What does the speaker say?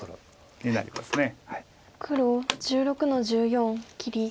黒１６の十四切り。